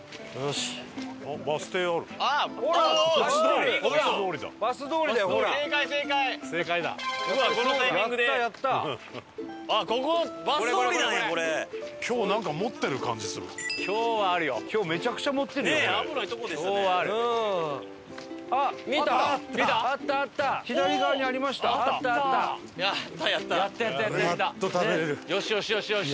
よしよしよしよし！